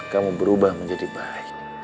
kamu berubah menjadi baik